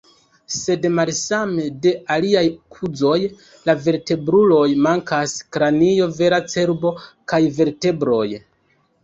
Sed malsame de iliaj kuzoj la vertebruloj, mankas kranio, vera cerbo, kaj vertebroj.